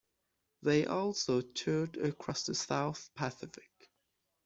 They also toured across the South Pacific.